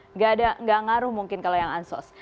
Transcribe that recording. nggak ada nggak ngaruh mungkin kalau yang ansos